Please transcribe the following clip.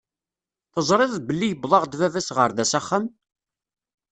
Teẓriḍ belli yiweḍ-aɣ-d baba-s ɣer da s axxam?